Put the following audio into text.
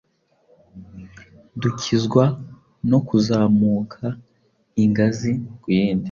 Dukizwa no kuzamuka ingazi ku yindi,